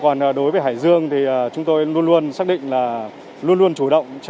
còn đối với hải dương thì chúng tôi luôn luôn xác định là luôn luôn chủ động trong bốn tại chỗ